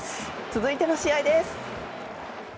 続いての試合です。